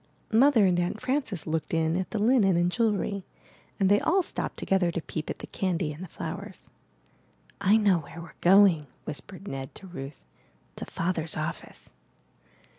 Mother and Aunt Frances looked in at the linen and jewelry, and they all stopped together to peep at the candy and the flowers. *'I know where weVe going/' whispered Ned to Ruth. 'To Father's office.''